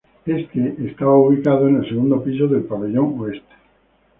Esta estaba ubicado en el segundo piso del pabellón oeste.